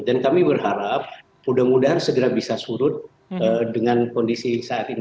dan kami berharap mudah mudahan segera bisa surut dengan kondisi saat ini